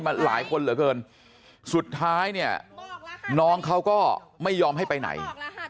หลายคนเหลือเกินสุดท้ายเนี่ยน้องเขาก็ไม่ยอมให้ไปไหน